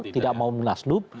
tidak mau munasulup